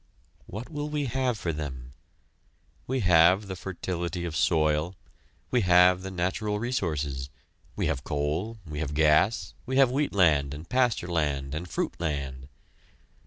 What will we have for them? We have the fertility of soil; we have the natural resources; we have coal; we have gas; we have wheat land and pasture land and fruit land.